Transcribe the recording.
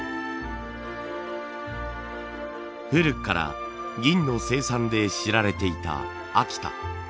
古くから銀の生産で知られていた秋田。